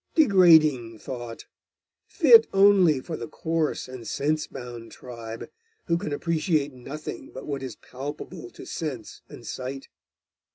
Degrading thought! fit only for the coarse and sense bound tribe who can appreciate nothing but what is palpable to sense and sight!